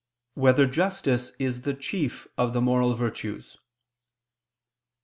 4] Whether Justice Is the Chief of the Moral Virtues?